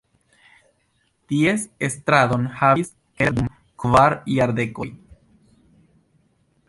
Ties estradon havis Keller dum kvar jardekoj.